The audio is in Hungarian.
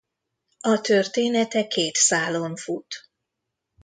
A története két szálon fut.